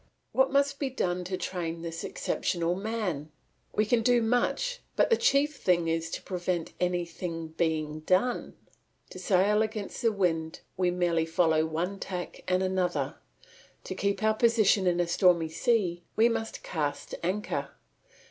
What must be done to train this exceptional man! We can do much, but the chief thing is to prevent anything being done. To sail against the wind we merely follow one tack and another; to keep our position in a stormy sea we must cast anchor.